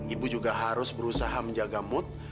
ibu juga harus berusaha menjaga mood